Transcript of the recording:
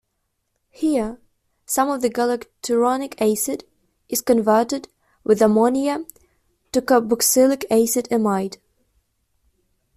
Here, some of the galacturonic acid is converted with ammonia to carboxylic acid amide.